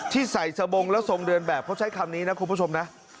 ที่ใส่สบงแล้วทรงเดินแบบเขาใช้คำนี้นะคุณผู้ชมนะ